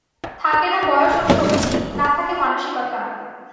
থাকে না বয়স ও শক্তি, না থাকে মানসিকতা।